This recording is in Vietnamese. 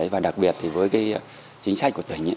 và đặc biệt với chính sách của tỉnh